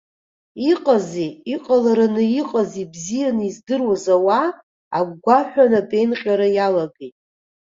Иҟази иҟалараны иҟази бзианы издыруаз ауаа агәгәаҳәа анапеинҟьара иалагеит.